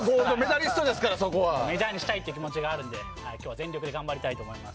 メジャーにしたい気持ちがあるので全力で頑張りたいと思います。